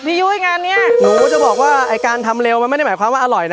ยุ้ยงานนี้หนูจะบอกว่าไอ้การทำเร็วมันไม่ได้หมายความว่าอร่อยนะ